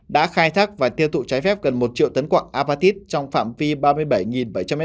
đã khai thác và tiêu thụ trái phép gần một triệu tấn quạng avatit trong phạm vi ba mươi bảy bảy trăm linh m hai